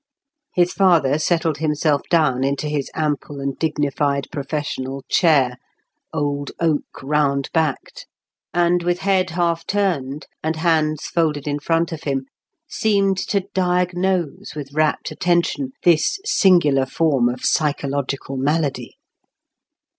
His father settled himself down into his ample and dignified professional chair—old oak round backed—and with head half turned, and hands folded in front of him, seemed to diagnose with rapt attention this singular form of psychological malady.